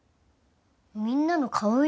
みんなの顔色を？